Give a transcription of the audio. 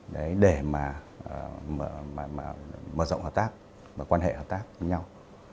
đấy để mà mở rộng hợp tác và quan hệ hợp tác với nhau